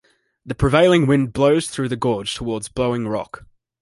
The prevailing wind blows through the gorge toward Blowing Rock.